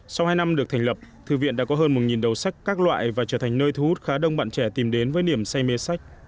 sau hai năm được thành lập thư viện đã có hơn một đầu sách các loại và trở thành nơi thu hút khá đông bạn trẻ tìm đến với niềm say mê sách